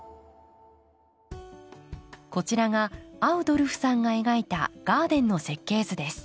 こちらがアウドルフさんが描いたガーデンの設計図です。